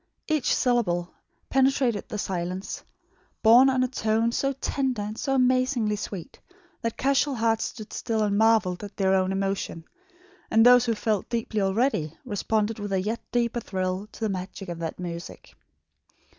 Each syllable penetrated the silence, borne on a tone so tender and so amazingly sweet, that casual hearts stood still and marvelled at their own emotion; and those who felt deeply already, responded with a yet deeper thrill to the magic of that music.